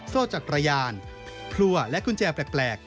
โซ่จักรยานพลัวและกุญแจแปลก